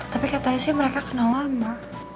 tapi katanya sih mereka kenal lama